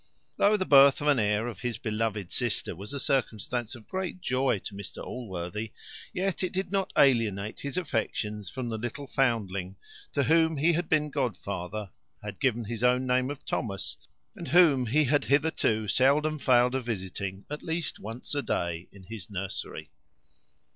Though the birth of an heir by his beloved sister was a circumstance of great joy to Mr Allworthy, yet it did not alienate his affections from the little foundling, to whom he had been godfather, had given his own name of Thomas, and whom he had hitherto seldom failed of visiting, at least once a day, in his nursery.